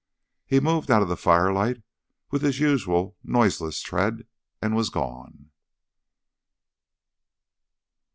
He moved out of the firelight with his usual noiseless tread and was gone.